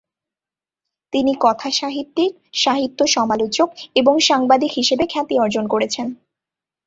তিনি কথাসাহিত্যিক, সাহিত্য সমালোচক এবং সাংবাদিক হিসাবে খ্যাতি অর্জন করেছেন।